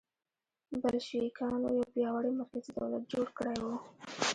بلشویکانو یو پیاوړی مرکزي دولت جوړ کړی و.